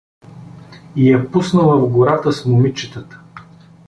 И я пуснала в гората с момичетата.